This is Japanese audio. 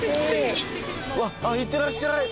いってらっしゃい